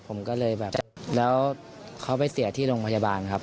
ผมก็เลยแบบแล้วเขาไปเสียที่โรงพยาบาลครับ